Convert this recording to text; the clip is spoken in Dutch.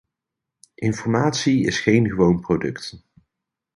Informatie is geen gewoon product.